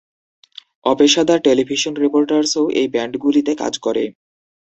অপেশাদার television রিপোটার্সও এই ব্যান্ডগুলিতে কাজ করে।